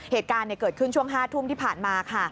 เหตุการณ์เกิดขึ้นช่วง๕ทุ่มที่ผ่านมาค่ะ